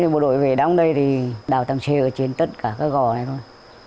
bộ đội về đóng đây thì đào tầm c ở trên tất cả các gò này thôi